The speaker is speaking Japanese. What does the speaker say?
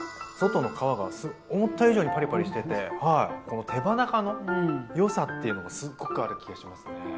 外の皮が思った以上にパリパリしててこの手羽中のよさっていうのがすっごくある気がしますね。